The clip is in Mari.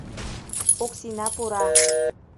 Оксина пура.